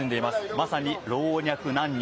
まさに老若男女。